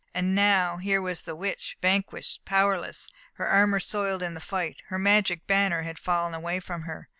And now here was the Witch, vanquished, powerless, her armour soiled in the fight, her magic banner fallen away from her.